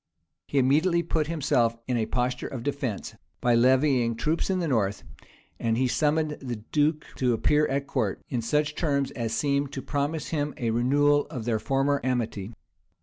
He immediately put himself in a posture of defence, by levying troops in the north; and he summoned the duke to appear at court, in such terms as seemed to promise him a renewal of their former amity.